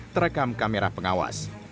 terekam kamera pengawas